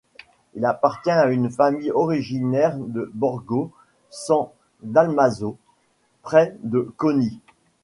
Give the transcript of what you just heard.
Il appartient à une famille originaire de Borgo San Dalmazzo, près de Coni.